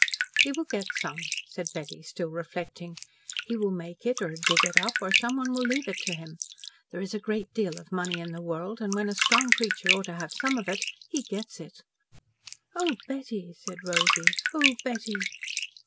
"He will get some," said Betty, still reflecting. "He will make it, or dig it up, or someone will leave it to him. There is a great deal of money in the world, and when a strong creature ought to have some of it he gets it." "Oh, Betty!" said Rosy. "Oh, Betty!"